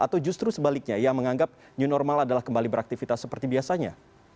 atau justru sebaliknya yang menganggap new normal adalah kembali beraktivitas seperti biasanya